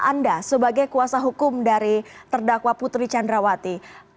anda sebagai kuasa hukum dari terdakwa putri candrawati